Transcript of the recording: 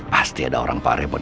pasti ada orang pak raymond